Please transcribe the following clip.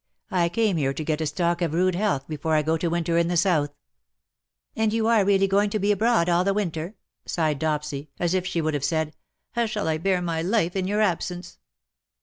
I came here to get a stock of rude health before I go to winter in the South. '' And you are really going to be abroad all the winter?" sighed Dopsy, as if she would have said, '^' How shall I bear my life in your absence.'